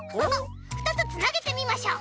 ２つつなげてみましょう！